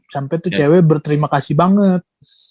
sampai tuh cewek berterima kasih banget